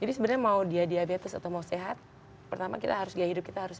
jadi sebenarnya mau dia diabetes atau mau sehat pertama kita harus gaya hidup kita harus